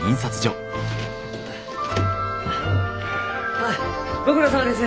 あっご苦労さまです。